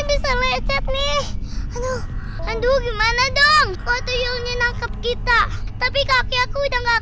bisa lecet nih aduh aduh gimana dong kok tuh yang menangkap kita tapi kaki aku udah nggak